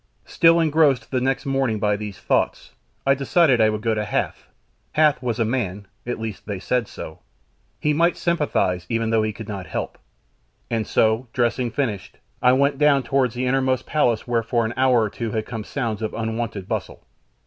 Still engrossed the next morning by these thoughts, I decided I would go to Hath. Hath was a man at least they said so he might sympathise even though he could not help, and so, dressing finished, I went down towards the innermost palace whence for an hour or two had come sounds of unwonted bustle.